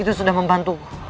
itu sudah membantuku